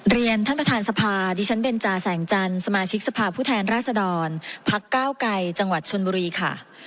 เรียนท่านประธานสภาดิฉันเบนจาแสงจันทร์สมาชิกสภาพผู้แทนราชดรพักเก้าไกรจังหวัดชนบุรีค่ะ